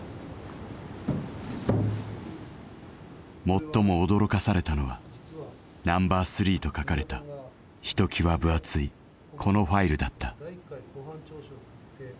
最も驚かされたのは「Ｎｏ．３」と書かれたひときわ分厚いこのファイルだった。